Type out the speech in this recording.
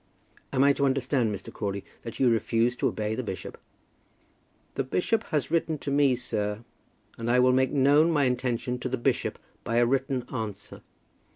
"Am I to understand, Mr. Crawley, that you refuse to obey the bishop?" "The bishop has written to me, sir; and I will make known my intention to the bishop by a written answer.